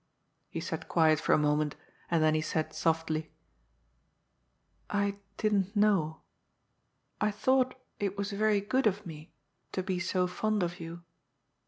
He sat quiet for a moment, and then he said softly: *' I didn't know. I thought it was very good of me to be so fond of you.